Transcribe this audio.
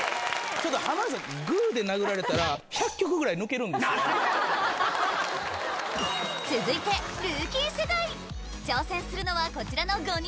ちょっと浜田さん続いてルーキー世代挑戦するのはこちらの５人！